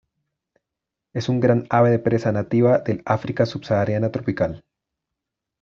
Es un gran ave de presa nativa del África subsahariana tropical.